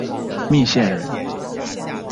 密县人。